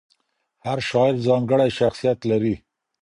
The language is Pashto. هر شاعر ځانګړی شخصیت لري.